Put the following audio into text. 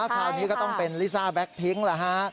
คราวนี้ก็ต้องเป็นลิซ่าแบล็คพิ้งหรือฮะ